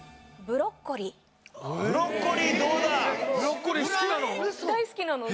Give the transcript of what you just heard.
ブロッコリー好きなの？